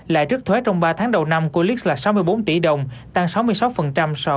lại rước thuế trong ba tháng đầu năm của lix là sáu mươi bốn tỷ đồng tăng sáu mươi sáu so với cùng kỳ năm trước